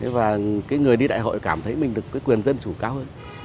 và người đi đại hội cảm thấy mình được quyền dân chủ cao hơn